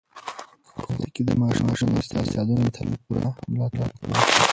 په ښوونځي کې د ماشومانو د استعدادونو تل پوره ملاتړ وکړئ.